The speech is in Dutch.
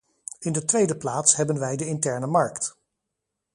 In de tweede plaats hebben wij de interne markt.